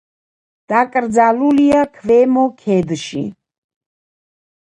დაკრძალულია ქვემო ქედში.